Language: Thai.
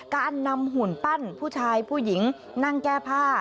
การนำหุ่นปั้นผู้ชายผู้หญิงนั่งแก้ผ้า